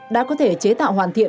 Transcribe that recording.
đã có thể chế tạo hoàn thiện